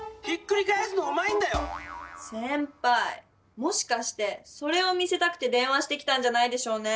もしかしてそれを見せたくて電話してきたんじゃないでしょうね？